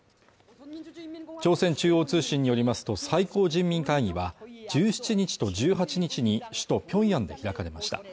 朝鮮中央通信によりますと最高人民会議は１７日と１８日に首都ピョンヤンで開かれました